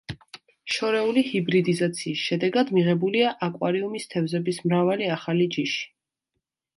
შორეული ჰიბრიდიზაციის შედეგად მიღებულია აკვარიუმის თევზების მრავალი ახალი ჯიში.